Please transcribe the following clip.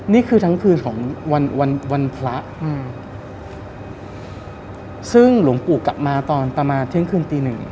นี่คือทั้งคืนของวันวันพระอืมซึ่งหลวงปู่กลับมาตอนประมาณเที่ยงคืนตีหนึ่ง